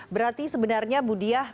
berarti sebenarnya budiah